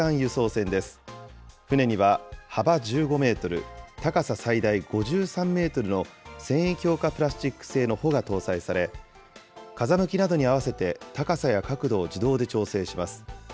船には幅１５メートル、高さ最大５３メートルの繊維強化プラスチック製の帆が搭載され、風向きなどに合わせて高さや角度を自動で調整します。